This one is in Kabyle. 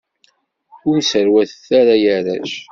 Ur sserwatet ara ay arrac!